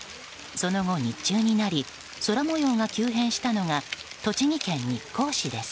その後、日中になり空模様が急変したのが栃木県日光市です。